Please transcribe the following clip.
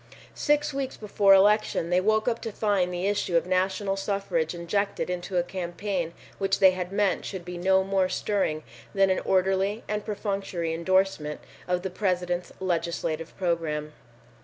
Six weeks before election they woke up to find the issue of national suffrage injected into a campaign which they had meant should be no more stirring than an orderly and perfunctory endorsement of the President's legislative program.